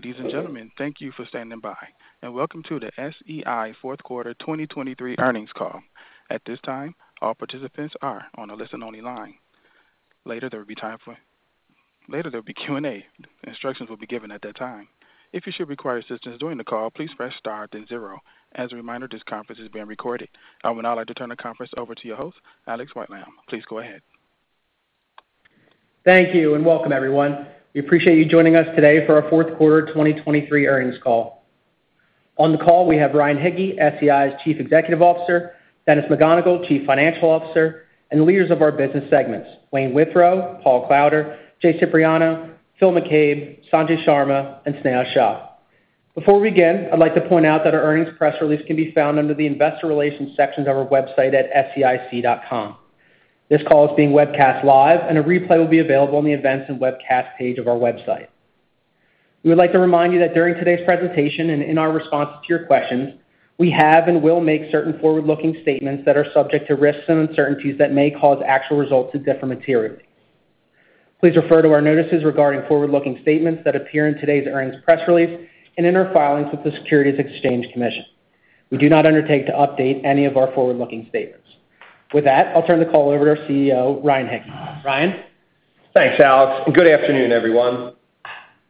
Ladies and gentlemen, thank you for standing by, and welcome to the SEI fourth quarter 2023 earnings call. At this time, all participants are on a listen-only line. Later, there will be time for Q&A. Instructions will be given at that time. If you should require assistance during the call, please press star then zero. As a reminder, this conference is being recorded. I would now like to turn the conference over to your host, Alex Whitelam. Please go ahead. Thank you, and welcome, everyone. We appreciate you joining us today for our fourth quarter 2023 earnings call. On the call, we have Ryan Hicke, SEI's Chief Executive Officer, Dennis McGonigle, Chief Financial Officer, and leaders of our business segments, Wayne Withrow, Paul Klauder, Jay Cipriano, Phil McCabe, Sanjay Sharma, and Snehal Shah. Before we begin, I'd like to point out that our earnings press release can be found under the Investor Relations section of our website at seic.com. This call is being webcast live, and a replay will be available on the Events and Webcast page of our website. We would like to remind you that during today's presentation and in our responses to your questions, we have and will make certain forward-looking statements that are subject to risks and uncertainties that may cause actual results to differ materially. Please refer to our notices regarding forward-looking statements that appear in today's earnings press release and in our filings with the Securities Exchange Commission. We do not undertake to update any of our forward-looking statements. With that, I'll turn the call over to our CEO, Ryan Hicke. Ryan? Thanks, Alex, and good afternoon, everyone.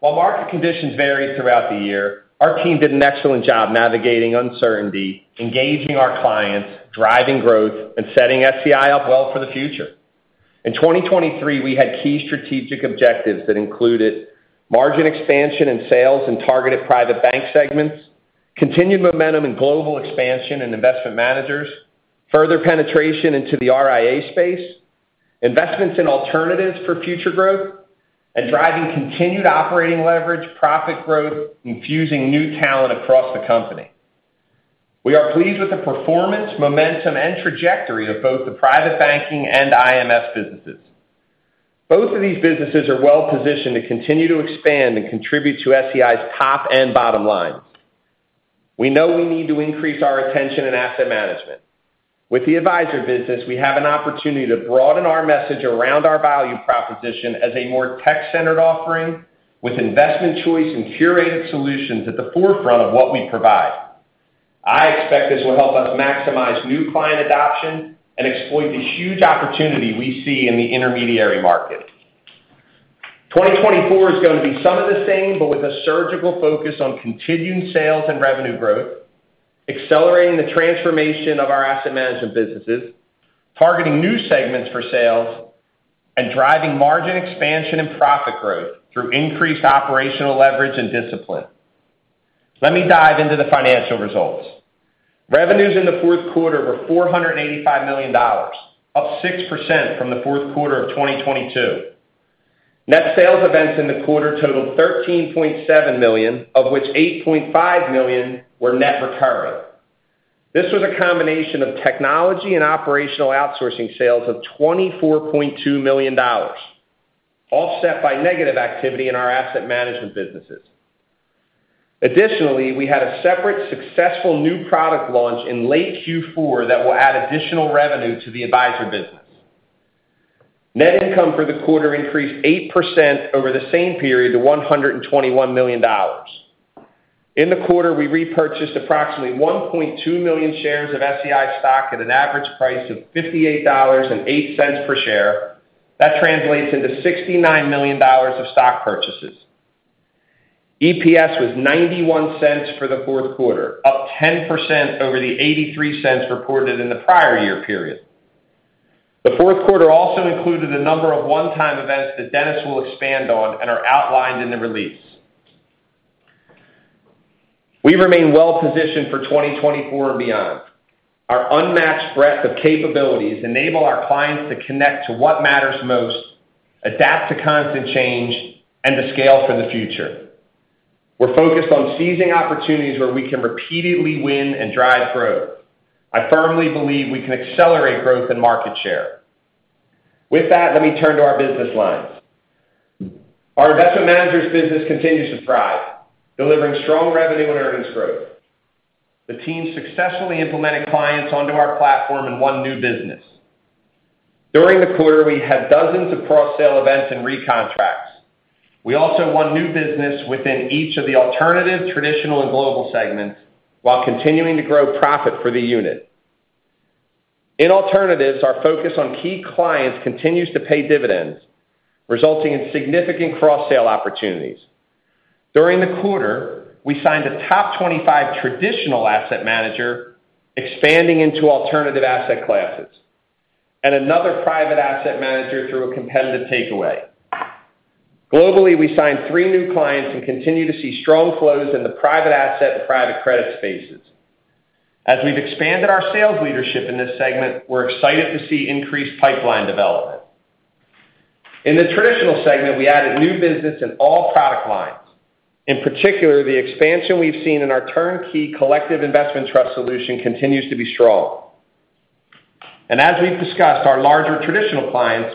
While market conditions varied throughout the year, our team did an excellent job navigating uncertainty, engaging our clients, driving growth, and setting SEI up well for the future. In 2023, we had key strategic objectives that included margin expansion in sales and targeted private bank segments, continued momentum in global expansion and investment managers, further penetration into the RIA space, investments in alternatives for future growth, and driving continued operating leverage, profit growth, infusing new talent across the company. We are pleased with the performance, momentum, and trajectory of both the private banking and IMS businesses. Both of these businesses are well-positioned to continue to expand and contribute to SEI's top and bottom line. We know we need to increase our attention in asset management. With the advisor business, we have an opportunity to broaden our message around our value proposition as a more tech-centered offering, with investment choice and curated solutions at the forefront of what we provide. I expect this will help us maximize new client adoption and exploit the huge opportunity we see in the intermediary market. 2024 is going to be some of the same, but with a surgical focus on continuing sales and revenue growth, accelerating the transformation of our asset management businesses, targeting new segments for sales, and driving margin expansion and profit growth through increased operational leverage and discipline. Let me dive into the financial results. Revenues in the fourth quarter were $485 million, up 6% from the fourth quarter of 2022. Net sales events in the quarter totaled $13.7 million, of which $8.5 million were net recurring. This was a combination of technology and operational outsourcing sales of $24.2 million, offset by negative activity in our asset management businesses. Additionally, we had a separate successful new product launch in late Q4 that will add additional revenue to the advisor business. Net income for the quarter increased 8% over the same period to $121 million. In the quarter, we repurchased approximately 1.2 million shares of SEI stock at an average price of $58.08 per share. That translates into $69 million of stock purchases. EPS was $0.91 for the fourth quarter, up 10% over the $0.83 reported in the prior year period. The fourth quarter also included a number of one-time events that Dennis will expand on and are outlined in the release. We remain well-positioned for 2024 and beyond. Our unmatched breadth of capabilities enable our clients to connect to what matters most, adapt to constant change, and to scale for the future. We're focused on seizing opportunities where we can repeatedly win and drive growth. I firmly believe we can accelerate growth and market share. With that, let me turn to our business lines. Our investment managers business continues to thrive, delivering strong revenue and earnings growth. The team successfully implemented clients onto our platform and won new business. During the quarter, we had dozens of cross-sale events and recontracts. We also won new business within each of the alternative, traditional, and global segments, while continuing to grow profit for the unit. In alternatives, our focus on key clients continues to pay dividends, resulting in significant cross-sale opportunities. During the quarter, we signed a top 25 traditional asset manager, expanding into alternative asset classes, and another private asset manager through a competitive takeaway. Globally, we signed three new clients and continue to see strong flows in the private asset and private credit spaces. As we've expanded our sales leadership in this segment, we're excited to see increased pipeline development. In the traditional segment, we added new business in all product lines. In particular, the expansion we've seen in our turnkey Collective Investment Trust solution continues to be strong. And as we've discussed, our larger traditional clients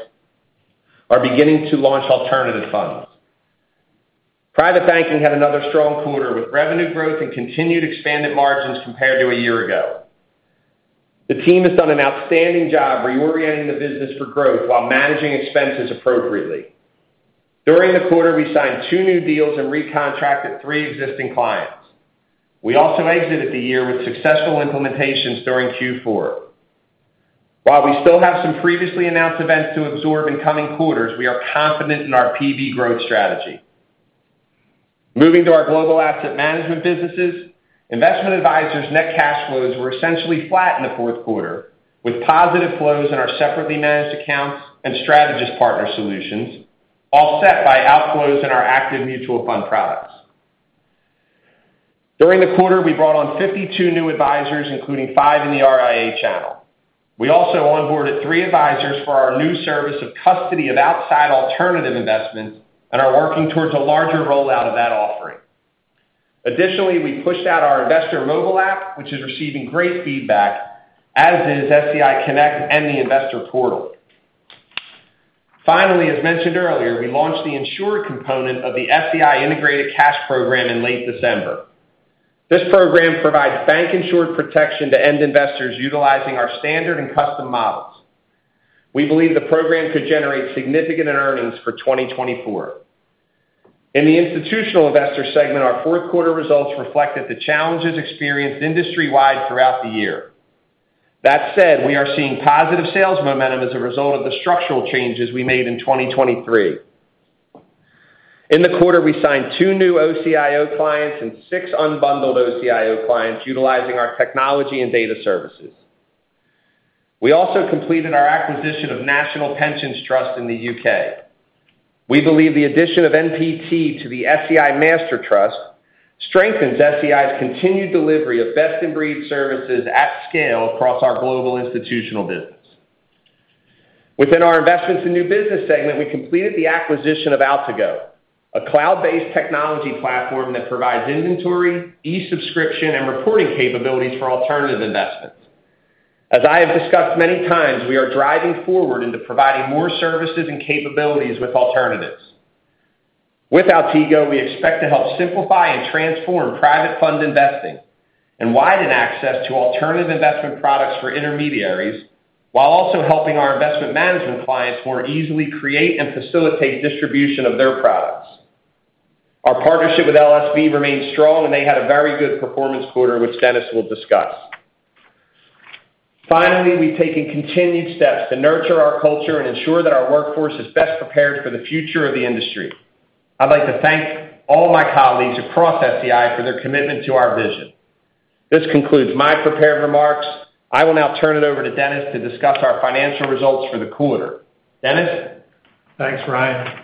are beginning to launch alternative funds. Private Banking had another strong quarter, with revenue growth and continued expanded margins compared to a year ago. The team has done an outstanding job reorienting the business for growth while managing expenses appropriately. During the quarter, we signed 2 new deals and recontracted 3 existing clients. We also exited the year with successful implementations during Q4. While we still have some previously announced events to absorb in coming quarters, we are confident in our PB growth strategy. Moving to our global asset management businesses, investment advisors' net cash flows were essentially flat in the fourth quarter, with positive flows in our separately managed accounts and strategist partner solutions, offset by outflows in our active mutual fund products. During the quarter, we brought on 52 new advisors, including 5 in the RIA channel. We also onboarded 3 advisors for our new service of custody of outside alternative investments and are working towards a larger rollout of that offering. Additionally, we pushed out our investor mobile app, which is receiving great feedback, as is SEI Connect and the investor portal. Finally, as mentioned earlier, we launched the insured component of the SEI Integrated Cash Program in late December. This program provides bank-insured protection to end investors utilizing our standard and custom models. We believe the program could generate significant earnings for 2024. In the institutional investor segment, our fourth quarter results reflected the challenges experienced industry-wide throughout the year. That said, we are seeing positive sales momentum as a result of the structural changes we made in 2023. In the quarter, we signed two new OCIO clients and six unbundled OCIO clients utilizing our technology and data services. We also completed our acquisition of National Pensions Trust in the U.K. We believe the addition of NPT to the SEI Master Trust strengthens SEI's continued delivery of best-in-breed services at scale across our global institutional business. Within our investments and new business segment, we completed the acquisition of Altigo, a cloud-based technology platform that provides inventory, e-subscription, and reporting capabilities for alternative investments. As I have discussed many times, we are driving forward into providing more services and capabilities with alternatives. With Altigo, we expect to help simplify and transform private fund investing and widen access to alternative investment products for intermediaries, while also helping our investment management clients more easily create and facilitate distribution of their products. Our partnership with LSV remains strong, and they had a very good performance quarter, which Dennis will discuss. Finally, we've taken continued steps to nurture our culture and ensure that our workforce is best prepared for the future of the industry. I'd like to thank all my colleagues across SEI for their commitment to our vision. This concludes my prepared remarks. I will now turn it over to Dennis to discuss our financial results for the quarter. Dennis? Thanks, Ryan.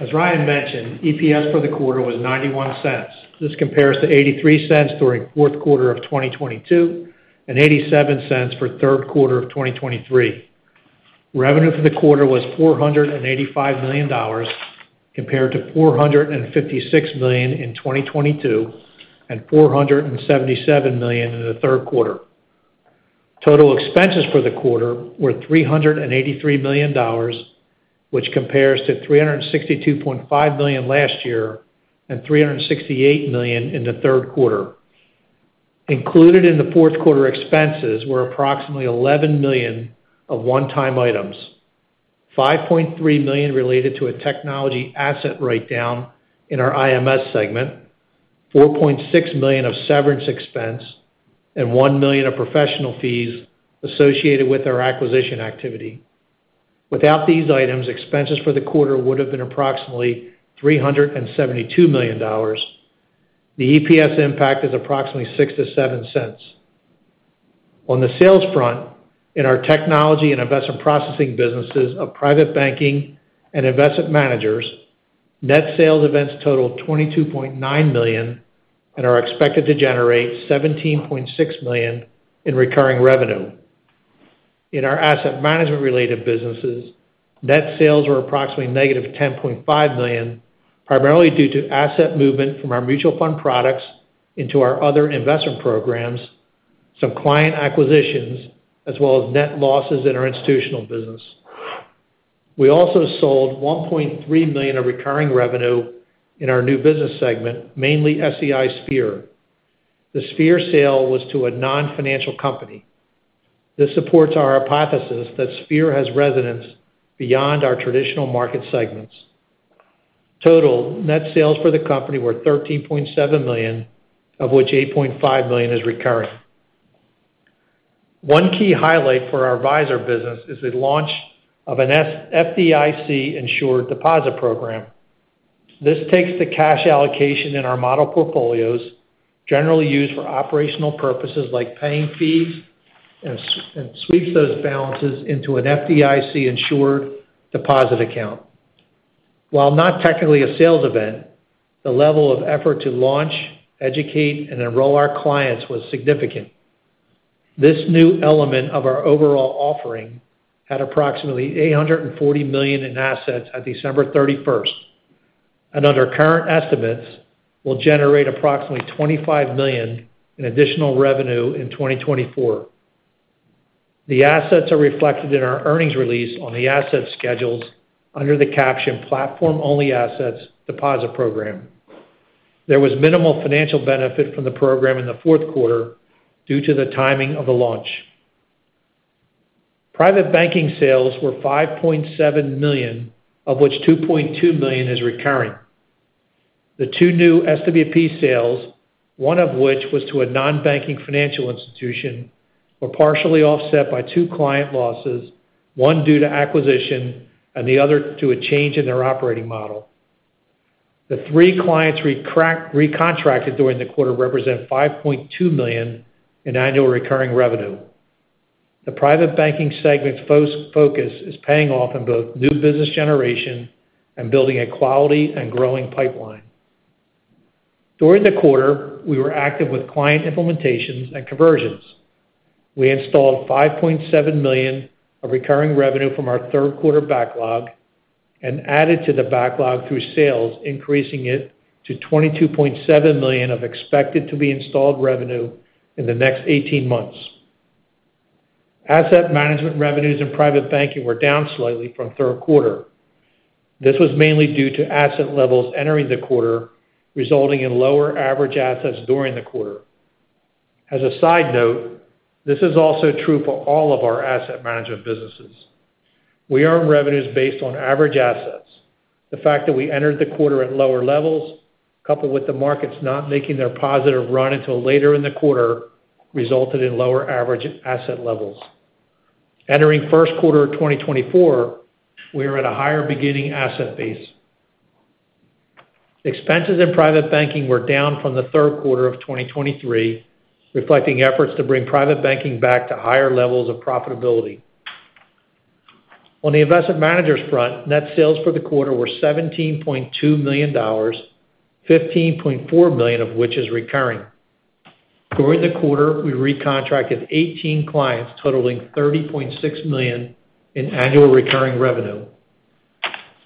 As Ryan mentioned, EPS for the quarter was $0.91. This compares to $0.83 during fourth quarter of 2022, and $0.87 for third quarter of 2023. Revenue for the quarter was $485 million, compared to $456 million in 2022, and $477 million in the third quarter. Total expenses for the quarter were $383 million, which compares to $362.5 million last year and $368 million in the third quarter. Included in the fourth quarter expenses were approximately $11 million of one-time items, $5.3 million related to a technology asset write-down in our IMS segment, $4.6 million of severance expense, and $1 million of professional fees associated with our acquisition activity. Without these items, expenses for the quarter would have been approximately $372 million. The EPS impact is approximately $0.06-$0.07. On the sales front, in our technology and investment processing businesses of private banking and investment managers, net sales events totaled $22.9 million and are expected to generate $17.6 million in recurring revenue. In our asset management-related businesses, net sales were approximately -$10.5 million, primarily due to asset movement from our mutual fund products into our other investment programs, some client acquisitions, as well as net losses in our institutional business. We also sold $1.3 million of recurring revenue in our new business segment, mainly SEI Sphere. The Sphere sale was to a non-financial company. This supports our hypothesis that Sphere has resonance beyond our traditional market segments. Total net sales for the company were $13.7 million, of which $8.5 million is recurring. One key highlight for our Advisor business is the launch of an SEI-FDIC Insured Deposit Program. This takes the cash allocation in our model portfolios, generally used for operational purposes like paying fees, and sweeps those balances into an FDIC-insured deposit account. While not technically a sales event, the level of effort to launch, educate, and enroll our clients was significant. This new element of our overall offering had approximately $840 million in assets at December 31, and under current estimates, will generate approximately $25 million in additional revenue in 2024. The assets are reflected in our earnings release on the asset schedules under the caption Platform-Only Assets Deposit Program. There was minimal financial benefit from the program in the fourth quarter due to the timing of the launch. Private banking sales were $5.7 million, of which $2.2 million is recurring. The two new SWP sales, one of which was to a non-banking financial institution, were partially offset by two client losses, one due to acquisition and the other to a change in their operating model. The three clients recontracted during the quarter represent $5.2 million in annual recurring revenue. The private banking segment's focus is paying off in both new business generation and building a quality and growing pipeline. During the quarter, we were active with client implementations and conversions. We installed $5.7 million of recurring revenue from our third quarter backlog and added to the backlog through sales, increasing it to $22.7 million of expected to be installed revenue in the next 18 months. Asset management revenues and private banking were down slightly from third quarter. This was mainly due to asset levels entering the quarter, resulting in lower average assets during the quarter. As a side note, this is also true for all of our asset management businesses. We earn revenues based on average assets. The fact that we entered the quarter at lower levels, coupled with the markets not making their positive run until later in the quarter, resulted in lower average asset levels. Entering first quarter of 2024, we are at a higher beginning asset base. Expenses in private banking were down from the third quarter of 2023, reflecting efforts to bring private banking back to higher levels of profitability. On the investment managers front, net sales for the quarter were $17.2 million, $15.4 million of which is recurring. During the quarter, we recontracted 18 clients, totaling $30.6 million in annual recurring revenue.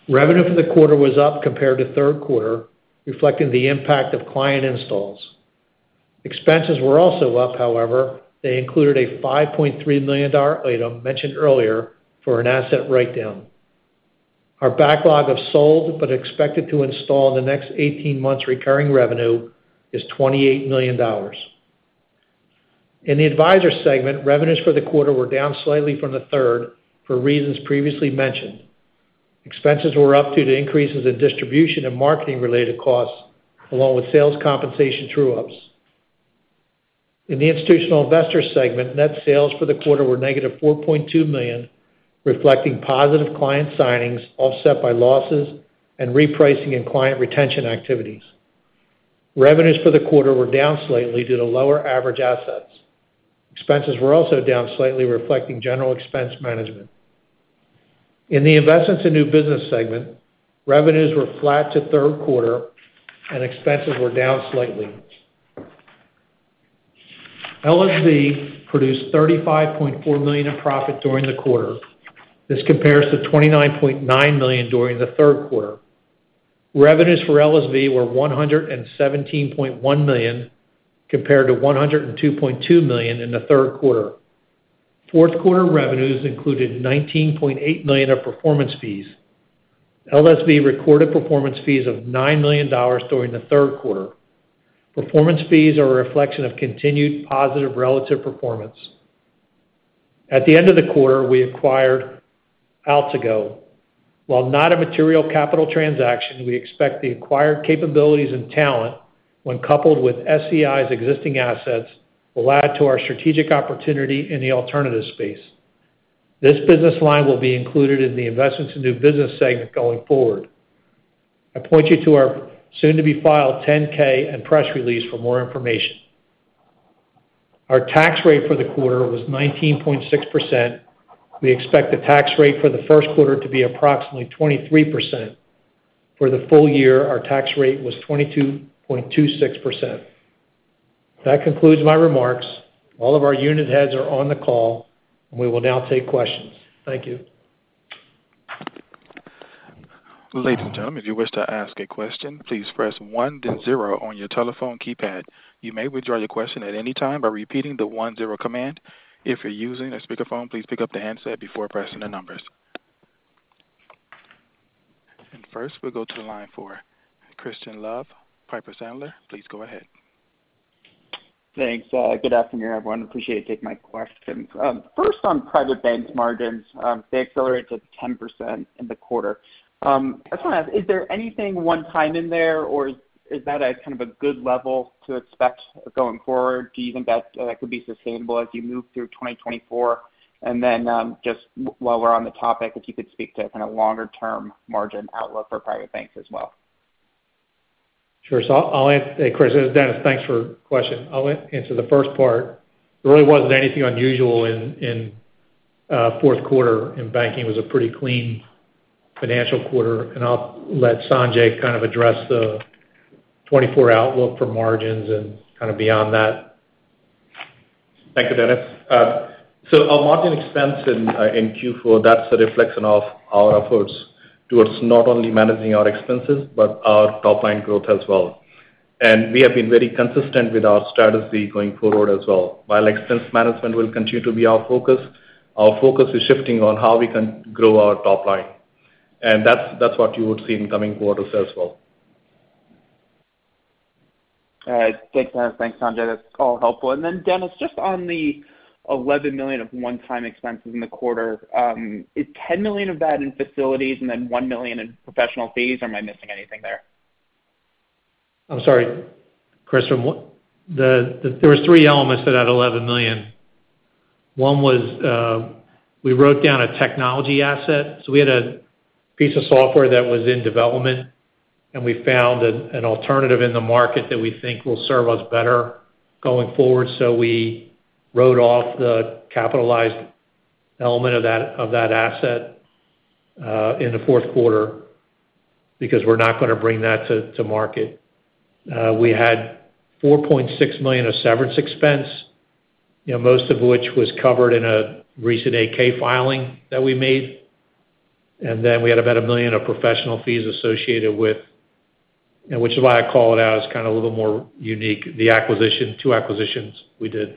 Revenue for the quarter was up compared to third quarter, reflecting the impact of client installs. Expenses were also up, however, they included a $5.3 million item mentioned earlier for an asset write-down. Our backlog of sold, but expected to install in the next 18 months recurring revenue is $28 million. In the advisor segment, revenues for the quarter were down slightly from the third, for reasons previously mentioned. Expenses were up due to increases in distribution and marketing-related costs, along with sales compensation true-ups. In the institutional investor segment, net sales for the quarter were -$4.2 million, reflecting positive client signings offset by losses and repricing and client retention activities. Revenues for the quarter were down slightly due to lower average assets. Expenses were also down slightly, reflecting general expense management. In the investments and new business segment, revenues were flat to third quarter, and expenses were down slightly. LSV produced $35.4 million in profit during the quarter. This compares to $29.9 million during the third quarter. Revenues for LSV were $117.1 million, compared to $102.2 million in the third quarter. Fourth quarter revenues included $19.8 million of performance fees. LSV recorded performance fees of $9 million during the third quarter. Performance fees are a reflection of continued positive relative performance. At the end of the quarter, we acquired Altigo. While not a material capital transaction, we expect the acquired capabilities and talent, when coupled with SEI's existing assets, will add to our strategic opportunity in the alternative space. This business line will be included in the investments and new business segment going forward. I point you to our soon-to-be-filed 10-K and press release for more information. Our tax rate for the quarter was 19.6%. We expect the tax rate for the first quarter to be approximately 23%. For the full year, our tax rate was 22.26%. That concludes my remarks. All of our unit heads are on the call, and we will now take questions. Thank you. Ladies and gentlemen, if you wish to ask a question, please press one, then zero on your telephone keypad. You may withdraw your question at any time by repeating the one-zero command. If you're using a speakerphone, please pick up the handset before pressing the numbers. First, we'll go to the line for Crispin Love, Piper Sandler. Please go ahead. Thanks. Good afternoon, everyone. Appreciate you taking my questions. First, on private banking margins, they accelerated 10% in the quarter. I just want to ask, is there anything one-time in there, or is that a kind of a good level to expect going forward? Do you think that that could be sustainable as you move through 2024? And then, just while we're on the topic, if you could speak to kind of longer-term margin outlook for private banking as well. Sure. So I'll answer, Chris. This is Dennis. Thanks for your question. I'll answer the first part. There really wasn't anything unusual in fourth quarter, and banking was a pretty clean financial quarter, and I'll let Sanjay kind of address the 2024 outlook for margins and kind of beyond that. Thank you, Dennis. So our margin expense in Q4, that's a reflection of our efforts towards not only managing our expenses, but our top line growth as well. And we have been very consistent with our strategy going forward as well. While expense management will continue to be our focus, our focus is shifting on how we can grow our top line. And that's, that's what you would see in coming quarters as well. All right. Thanks, Sanjay. That's all helpful. And then, Dennis, just on the $11 million of one-time expenses in the quarter, is $10 million of that in facilities and then $1 million in professional fees? Am I missing anything there? I'm sorry, Chris. There was three elements to that $11 million. One was we wrote down a technology asset. So we had a piece of software that was in development, and we found an alternative in the market that we think will serve us better going forward. So we wrote off the capitalized element of that asset in the fourth quarter because we're not going to bring that to market. We had $4.6 million of severance expense, you know, most of which was covered in a recent 8-K filing that we made. And then we had about $1 million of professional fees associated with, you know, which is why I call it out, as kind of a little more unique, the acquisition, two acquisitions we did.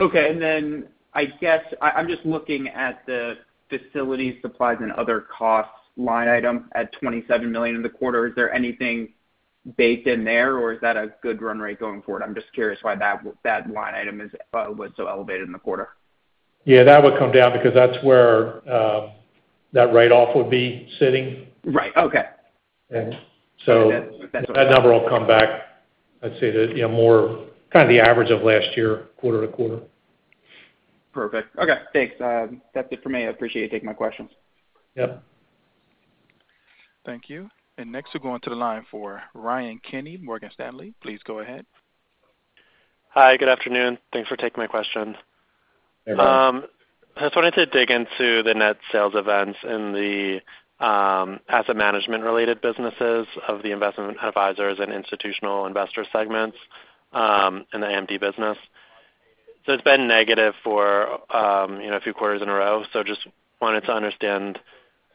Okay. And then I guess I'm just looking at the facilities, supplies, and other costs line item at $27 million in the quarter. Is there anything baked in there, or is that a good run rate going forward? I'm just curious why that line item was so elevated in the quarter. Yeah, that would come down because that's where that write-off would be sitting. Right. Okay. And so that number will come back, I'd say, to, you know, more kind of the average of last year, quarter to quarter. Perfect. Okay, thanks. That's it for me. I appreciate you taking my questions. Yep. Thank you. And next, we'll go onto the line for Ryan Kenny, Morgan Stanley. Please go ahead. Hi, good afternoon. Thanks for taking my question. Hey, Ryan. I just wanted to dig into the net sales events in the asset management-related businesses of the investment advisors and institutional investor segments in the AUM business. It's been negative for you know a few quarters in a row. Just wanted to understand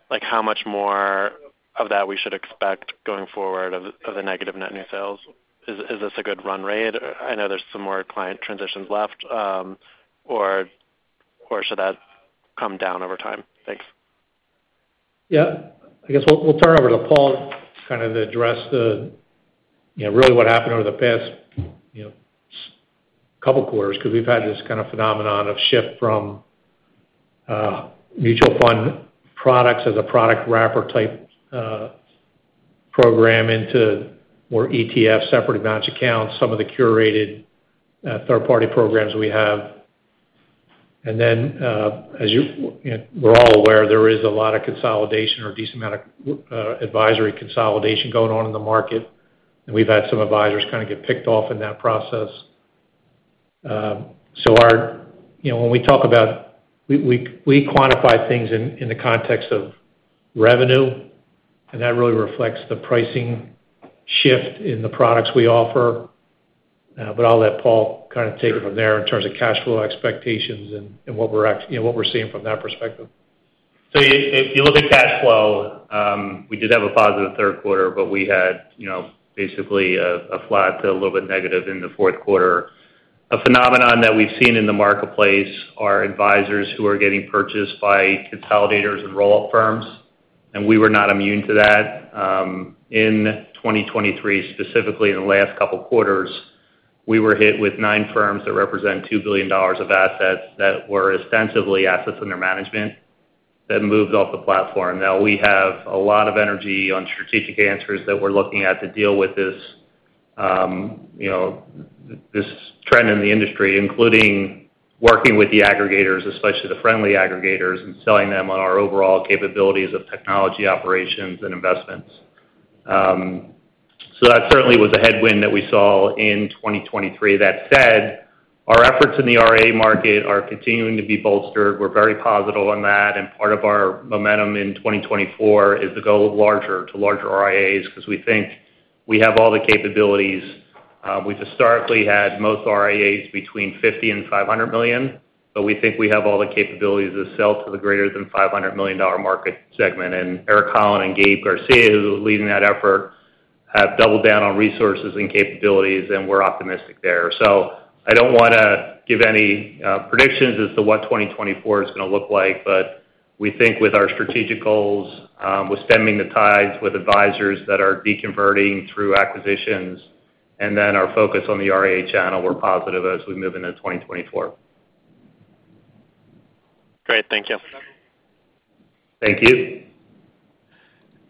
like how much more of that we should expect going forward of the negative net new sales. Is this a good run rate? I know there's some more client transitions left or should that come down over time? Thanks. Yeah. I guess we'll turn it over to Paul to kind of address the, you know, really what happened over the past, you know, couple quarters, because we've had this kind of phenomenon of shift from mutual fund products as a product wrapper-type program into more ETF, separate managed accounts, some of the curated third-party programs we have. And then, as you, you know, we're all aware, there is a lot of consolidation or a decent amount of advisory consolidation going on in the market, and we've had some advisors kind of get picked off in that process. So our. You know, when we talk about - we quantify things in the context of revenue, and that really reflects the pricing shift in the products we offer. But I'll let Paul kind of take it from there in terms of cash flow expectations and, and what we're, you know, what we're seeing from that perspective. So if you look at cash flow, we did have a positive third quarter, but we had, you know, basically a flat to a little bit negative in the fourth quarter. A phenomenon that we've seen in the marketplace are advisors who are getting purchased by consolidators and roll-up firms, and we were not immune to that. In 2023, specifically in the last couple quarters, we were hit with 9 firms that represent $2 billion of assets that were ostensibly assets under management, that moved off the platform. Now, we have a lot of energy on strategic answers that we're looking at to deal with this, you know, this trend in the industry, including working with the aggregators, especially the friendly aggregators, and selling them on our overall capabilities of technology, operations, and investments. So that certainly was a headwind that we saw in 2023. That said, our efforts in the RIA market are continuing to be bolstered. We're very positive on that, and part of our momentum in 2024 is to go larger, to larger RIAs, because we think we have all the capabilities. We've historically had most RIAs between $50 million and $500 million, but we think we have all the capabilities to sell to the greater than $500 million market segment. And Eric Holland and Gabe Garcia, who are leading that effort, have doubled down on resources and capabilities, and we're optimistic there. So I don't want to give any predictions as to what 2024 is going to look like, but we think with our strategic goals, with stemming the tides with advisors that are deconverting through acquisitions, and then our focus on the RIA channel, we're positive as we move into 2024. Great. Thank you. Thank you.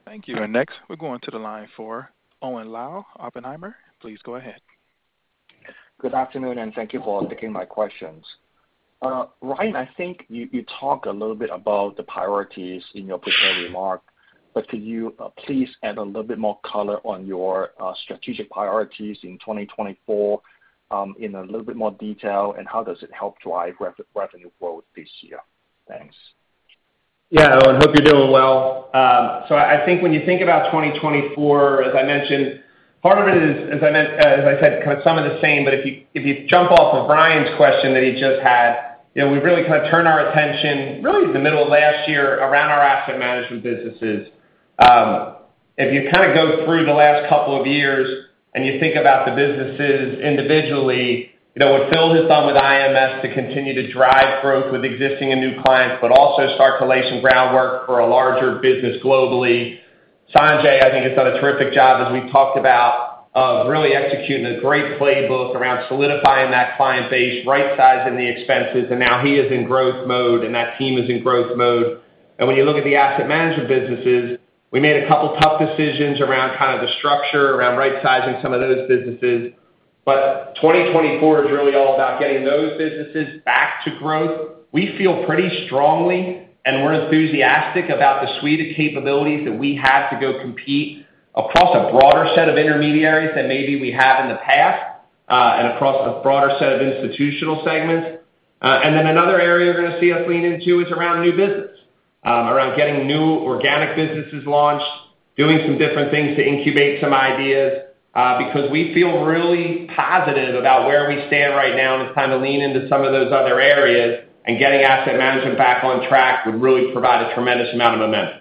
Thank you. And next, we'll go onto the line for Owen Lau, Oppenheimer. Please go ahead. Good afternoon, and thank you for taking my questions. Ryan, I think you talked a little bit about the priorities in your prepared remark, but could you please add a little bit more color on your strategic priorities in 2024, in a little bit more detail, and how does it help drive revenue growth this year? Thanks. Yeah, Owen. Hope you're doing well. So I think when you think about 2024, as I mentioned, part of it is, as I said, kind of some of the same. But if you jump off of Ryan's question that he just had, you know, we've really kind of turned our attention, really in the middle of last year, around our asset management businesses. If you kind of go through the last couple of years and you think about the businesses individually, you know, what Phil has done with IMS to continue to drive growth with existing and new clients, but also start to lay some groundwork for a larger business globally. Sanjay, I think, has done a terrific job, as we talked about, of really executing a great playbook around solidifying that client base, right-sizing the expenses, and now he is in growth mode, and that team is in growth mode. When you look at the asset management businesses, we made a couple of tough decisions around kind of the structure, around right-sizing some of those businesses. But 2024 is really all about getting those businesses back to growth. We feel pretty strongly, and we're enthusiastic about the suite of capabilities that we have to go compete across a broader set of intermediaries than maybe we have in the past, and across a broader set of institutional segments. And then another area you're going to see us lean into is around new business, around getting new organic businesses launched, doing some different things to incubate some ideas, because we feel really positive about where we stand right now, and it's time to lean into some of those other areas. And getting asset management back on track would really provide a tremendous amount of momentum.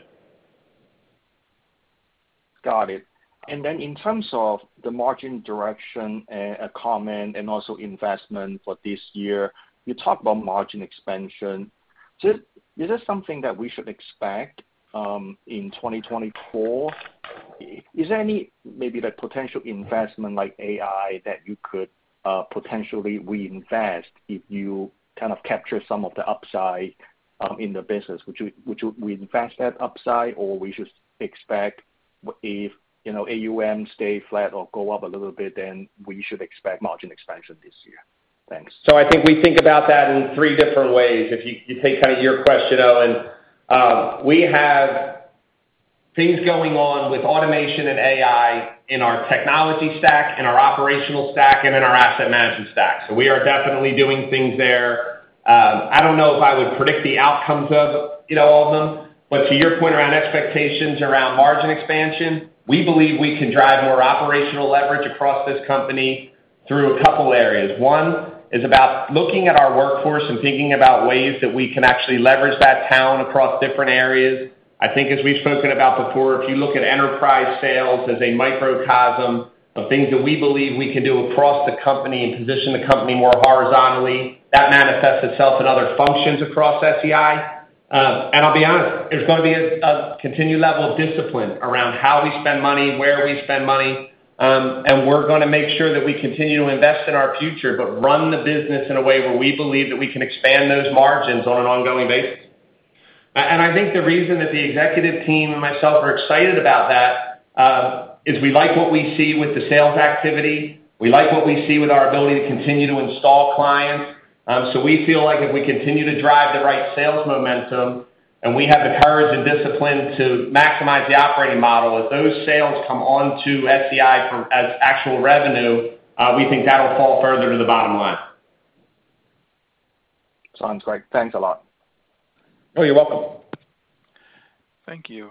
Got it. And then in terms of the margin direction, a comment, and also investment for this year, you talked about margin expansion. So is this something that we should expect in 2024? Is there any maybe, like, potential investment like AI, that you could potentially reinvest if you kind of capture some of the upside in the business? Would you reinvest that upside, or we should expect if, you know, AUM stay flat or go up a little bit, then we should expect margin expansion this year? Thanks. So I think we think about that in three different ways. If you, you take kind of your question, Owen. We have things going on with automation and AI in our technology stack, in our operational stack, and in our asset management stack. So we are definitely doing things there. I don't know if I would predict the outcomes of, you know, all of them, but to your point around expectations around margin expansion, we believe we can drive more operational leverage across this company through a couple areas. One, is about looking at our workforce and thinking about ways that we can actually leverage that talent across different areas. I think as we've spoken about before, if you look at enterprise sales as a microcosm of things that we believe we can do across the company and position the company more horizontally, that manifests itself in other functions across SEI. And I'll be honest, there's going to be a continued level of discipline around how we spend money, where we spend money, and we're going to make sure that we continue to invest in our future, but run the business in a way where we believe that we can expand those margins on an ongoing basis. And I think the reason that the executive team and myself are excited about that, is we like what we see with the sales activity. We like what we see with our ability to continue to install clients. So we feel like if we continue to drive the right sales momentum, and we have the courage and discipline to maximize the operating model, if those sales come on to SEI for as actual revenue, we think that'll fall further to the bottom line. Sounds great. Thanks a lot. Oh, you're welcome. Thank you.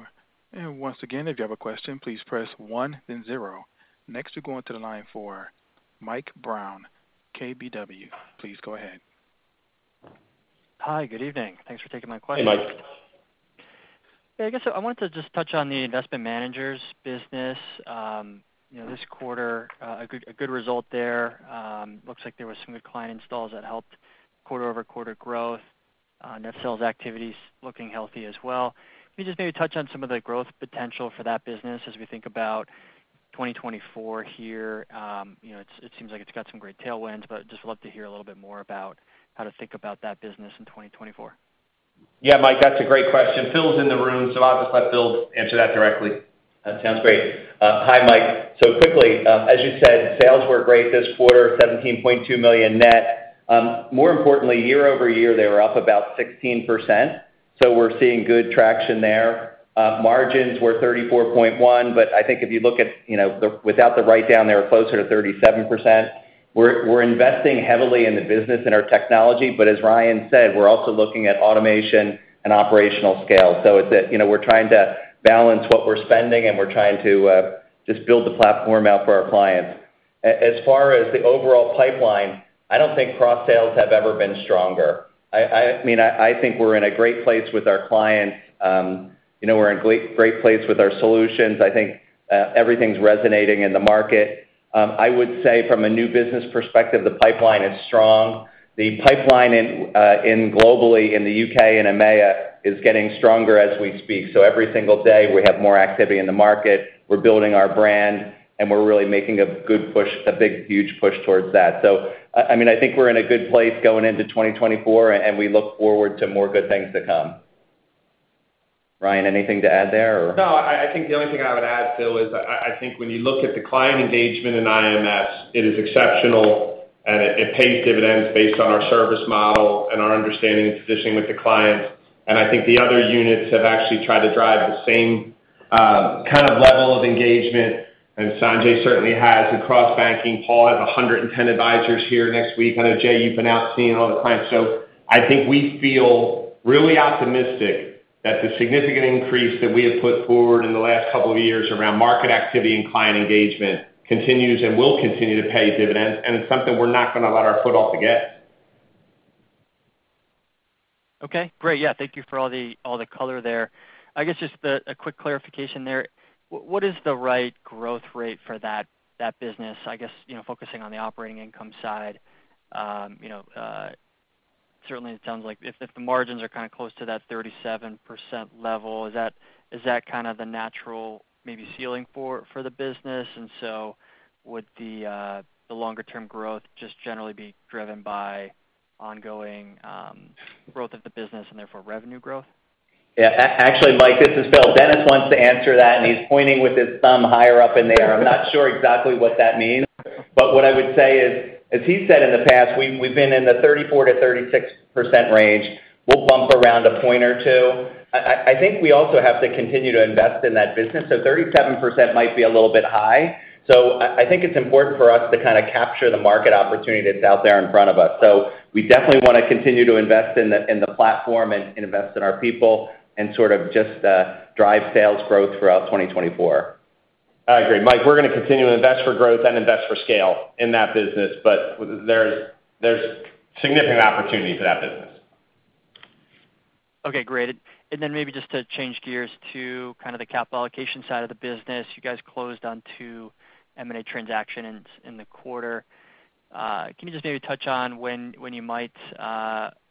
Once again, if you have a question, please press one, then zero. Next, we go into the line for Mike Brown, KBW. Please go ahead. Hi, good evening. Thanks for taking my question. Hey, Mike. Yeah, I guess I wanted to just touch on the investment managers business. You know, this quarter, a good, a good result there. Looks like there were some good client installs that helped quarter-over-quarter growth. Net sales activities looking healthy as well. Can you just maybe touch on some of the growth potential for that business as we think about 2024 here? You know, it, it seems like it's got some great tailwinds, but just love to hear a little bit more about how to think about that business in 2024. Yeah, Mike, that's a great question. Phil's in the room, so I'll just let Phil answer that directly. That sounds great. Hi, Mike. So quickly, as you said, sales were great this quarter, $17.2 million net. More importantly, year-over-year, they were up about 16%, so we're seeing good traction there. Margins were 34.1%, but I think if you look at, you know, the without the write-down, they were closer to 37%. We're investing heavily in the business and our technology, but as Ryan said, we're also looking at automation and operational scale. So it's that, you know, we're trying to balance what we're spending, and we're trying to just build the platform out for our clients. As far as the overall pipeline, I don't think cross sales have ever been stronger. I mean, I think we're in a great place with our clients. You know, we're in great, great place with our solutions. I think everything's resonating in the market. I would say from a new business perspective, the pipeline is strong. The pipeline in globally, in the UK and EMEA, is getting stronger as we speak. So every single day, we have more activity in the market, we're building our brand, and we're really making a good push, a big, huge push towards that. So, I mean, I think we're in a good place going into 2024, and we look forward to more good things to come. Ryan, anything to add there or? No, I, I think the only thing I would add, Phil, is I, I think when you look at the client engagement in IMS, it is exceptional, and it, it pays dividends based on our service model and our understanding and positioning with the client. And I think the other units have actually tried to drive the same kind of level of engagement, and Sanjay certainly has across banking. Paul has 110 advisors here next week. I know, Jay, you've been out seeing all the clients. So I think we feel really optimistic that the significant increase that we have put forward in the last couple of years around market activity and client engagement continues and will continue to pay dividends, and it's something we're not going to let our foot off the gas. Okay, great. Yeah, thank you for all the, all the color there. I guess just a quick clarification there. What is the right growth rate for that, that business? I guess, you know, focusing on the operating income side. You know, certainly it sounds like if, if the margins are kind of close to that 37% level, is that, is that kind of the natural maybe ceiling for, for the business? And so would the, the longer term growth just generally be driven by ongoing growth of the business and therefore revenue growth? Yeah, actually, Mike, this is Phil. Dennis wants to answer that, and he's pointing with his thumb higher up in the air. I'm not sure exactly what that means, but what I would say is, as he said in the past, we've been in the 34%-36% range. We'll bump around a point or two. I think we also have to continue to invest in that business, so 37% might be a little bit high. So I think it's important for us to kind of capture the market opportunity that's out there in front of us. So we definitely want to continue to invest in the, in the platform and, and invest in our people, and sort of just drive sales growth throughout 2024. I agree. Mike, we're going to continue to invest for growth and invest for scale in that business, but there's significant opportunity for that business. Okay, great. Then maybe just to change gears to kind of the capital allocation side of the business. You guys closed on two M&A transactions in the quarter. Can you just maybe touch on when you might,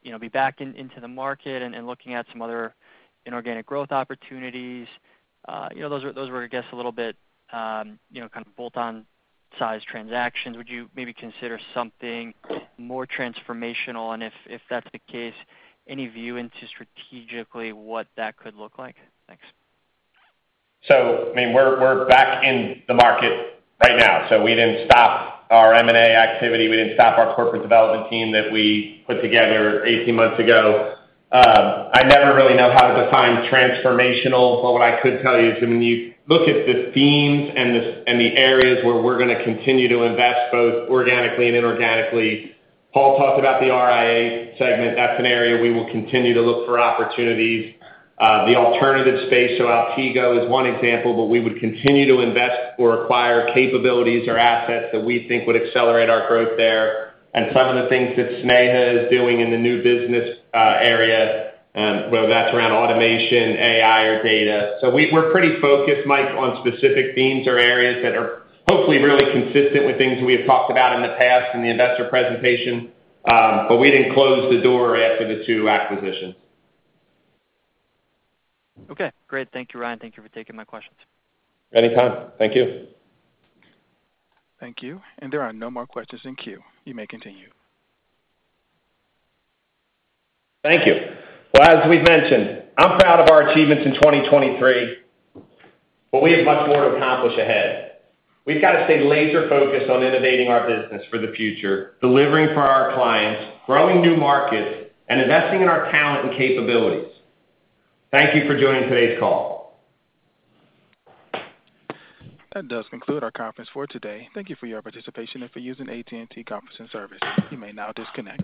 you know, be back into the market and looking at some other inorganic growth opportunities? You know, those were, I guess, a little bit, you know, kind of bolt-on size transactions. Would you maybe consider something more transformational? And if that's the case, any view into strategically what that could look like? Thanks. So, I mean, we're back in the market right now, so we didn't stop our M&A activity. We didn't stop our corporate development team that we put together 18 months ago. I never really know how to define transformational, but what I could tell you is when you look at the themes and the areas where we're going to continue to invest, both organically and inorganically. Paul talked about the RIA segment. That's an area we will continue to look for opportunities. The alternative space, so Altigo is one example, but we would continue to invest or acquire capabilities or assets that we think would accelerate our growth there. And some of the things that Snehal is doing in the new business area, whether that's around automation, AI, or data. So we're pretty focused, Mike, on specific themes or areas that are hopefully really consistent with things we have talked about in the past in the investor presentation. But we didn't close the door after the two acquisitions. Okay, great. Thank you, Ryan. Thank you for taking my questions. Anytime. Thank you. Thank you. There are no more questions in queue. You may continue. Thank you. Well, as we've mentioned, I'm proud of our achievements in 2023, but we have much more to accomplish ahead. We've got to stay laser focused on innovating our business for the future, delivering for our clients, growing new markets, and investing in our talent and capabilities. Thank you for joining today's call. That does conclude our conference for today. Thank you for your participation and for using AT&T conferencing service. You may now disconnect.